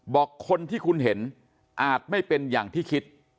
บอกคนที่คุณเห็นอาจไม่เป็นอย่างที่คิด